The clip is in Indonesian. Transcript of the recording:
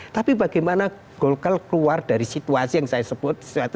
tapi bagaimana golkar keluar dari situasi yang saya sebut